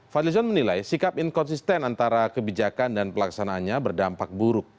fadlizon menilai sikap inkonsisten antara kebijakan dan pelaksanaannya berdampak buruk